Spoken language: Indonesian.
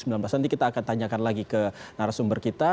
nanti kita akan tanyakan lagi ke narasumber kita